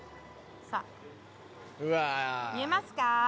さあ見えますか？